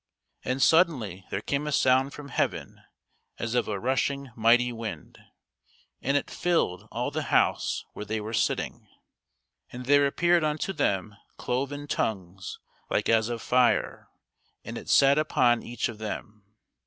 And suddenly there came a sound from heaven as of a rushing mighty wind, and it filled all the house where they were sitting. And there appeared unto them cloven tongues like as of fire, and it sat upon each of them.